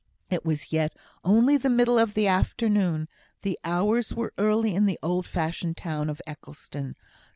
It was yet only the middle of the afternoon; the hours were early in the old fashioned town of Eccleston.